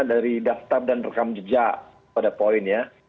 dari daftar dan rekam jejak pada poin ya